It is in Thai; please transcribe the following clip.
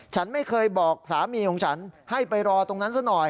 ฉันไม่เคยบอกสามีของฉันให้ไปรอตรงนั้นซะหน่อย